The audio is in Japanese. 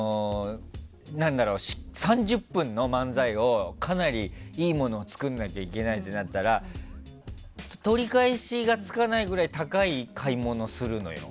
何だろう、３０分の漫才をかなりいいものを作らなきゃいけないってなったら取り返しがつかないぐらい高い買い物をするのよ。